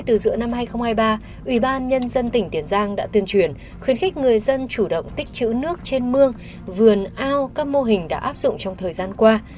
từ giữa năm hai nghìn hai mươi ba ủy ban nhân dân tỉnh tiền giang đã tuyên truyền khuyến khích người dân chủ động tích chữ nước trên mương vườn ao các mô hình đã áp dụng trong thời gian qua